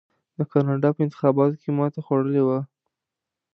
د کاناډا په انتخاباتو کې ماته خوړلې وه.